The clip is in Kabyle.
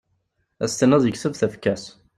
Ad as-tiniḍ yekseb tafekka-s.